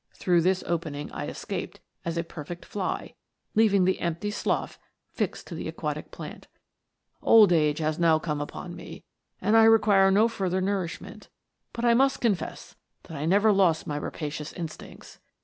Through this opening I escaped as a perfect fly, leaving the empty slough fixed to the aquatic plant. Old age has now come upon me, and I require no further nourishment; but I must confess that I never lost my rapacious instincts.